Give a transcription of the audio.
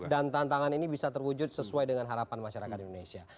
dan tantangan ini bisa terwujud sesuai dengan harapan masyarakat di indonesia